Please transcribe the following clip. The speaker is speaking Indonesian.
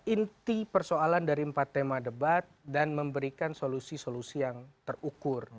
inti persoalan dari empat tema debat dan memberikan solusi solusi yang terukur